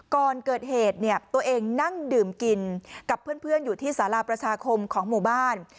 ก่อนเกิดเหตุเนี่ยตัวเองนั่งดื่มกินกับเพื่อนอยู่ที่สาราประชาคมของหมู่บ้าน